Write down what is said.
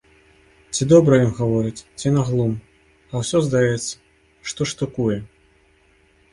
Ці добра ён гаворыць, ці на глум, а ўсё здаецца, што штукуе.